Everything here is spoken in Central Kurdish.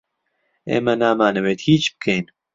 ئێمە نامانەوێت هیچ بکەین.